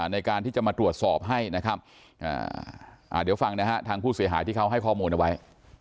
ในการที่จะมาตรวจสอบให้นะครับเดี๋ยวฟังนะฮะทางผู้เสียหายที่เขาให้ข้อมูลเอาไว้